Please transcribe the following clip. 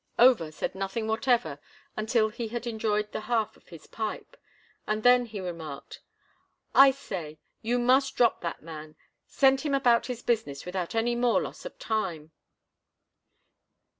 Over said nothing whatever until he had enjoyed the half of his pipe, and then he remarked, "I say, you must drop that man—send him about his business without any more loss of time."